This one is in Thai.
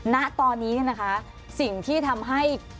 ณตอนนี้นะคะสิ่งที่ทำให้